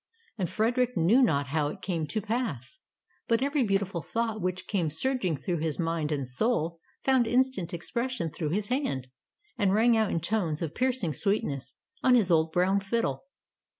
And Frederick knew not how it came to pass, but every beautiful thought which came surging through his mind and soul found instant expression through his hand, and rang out in tones of piercing sweetness on his old brown fiddle.